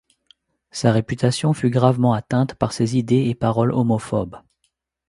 Sa réputation fut gravement atteinte par ses idées et paroles homophobes.